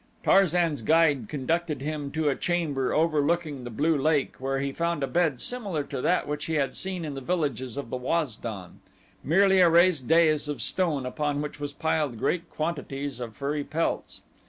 Tarzan's guide conducted him to a chamber overlooking the blue lake where he found a bed similar to that which he had seen in the villages of the Waz don, merely a raised dais of stone upon which was piled great quantities of furry pelts.